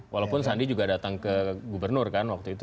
walaupun sandi juga datang ke gubernur kan waktu itu